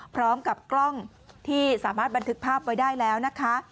พร้อมกับกล้องที่สามารถบันทึกภาพไว้ได้แล้วนะคะ